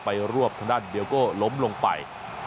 รวบทางด้านเดียวโก้ล้มลงไป